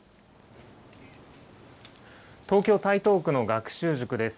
東京・台東区の学習塾です。